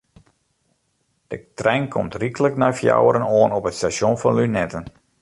De trein komt ryklik nei fjouweren oan op it stasjon fan Lunetten.